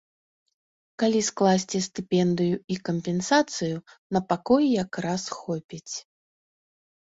Калі скласці стыпендыю і кампенсацыю, на пакой як раз хопіць.